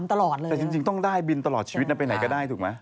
ตลอดเลยแต่จริงต้องได้บินตลอดชีวิตนะไปไหนก็ได้ถูกไหม